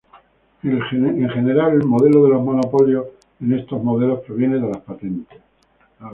En general el modelo de los monopolios en estos modelos proviene de las patentes.